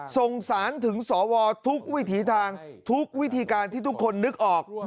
ส่งสารถึงสวทุกวิถีทางทุกวิธีการที่ทุกคนนึกออก